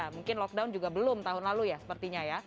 mungkin lockdown juga belum tahun lalu ya sepertinya ya